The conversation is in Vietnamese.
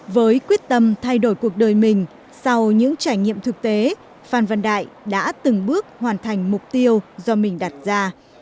với quyết tâm thay đổi cuộc đời mình sau những trải nghiệm thực tế phan văn đại đã từng bước hoàn thành mục tiêu do mình đặt ra